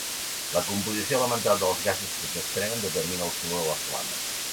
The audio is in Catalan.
La composició elemental dels gasos que es desprenen determina el color de la flama.